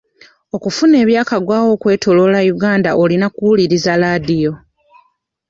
Okufuna ebyakagwawo okwetoloola Uganda olina kuwuliriza laadiyo.